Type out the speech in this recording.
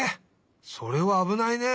それはあぶないね。